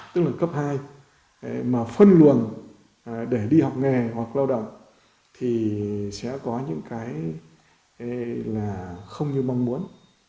tức là cấp hai mà phân luồng để đi học nghề hoặc lao động thì sẽ có những cái là không như mong muốn